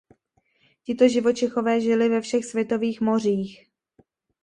Tito živočichové žili ve všech světových mořích.